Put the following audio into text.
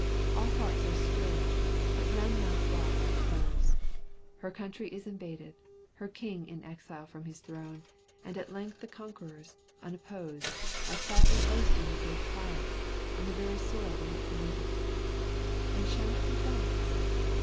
All hearts are stirred, but none now throb like hers: her country is invaded, her king an exile from his throne; and at length the conquerors, unopposed, are quietly boasting of their triumphs on the very soil they have polluted. And shall it be thus?